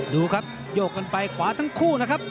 ดูครับโยกกันไปขวาทั้งคู่นะครับ